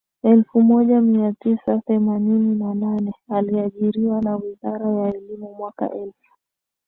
elfu moja mia tisa themanini na nane aliajiriwa na wizara ya elimu Mwaka elfu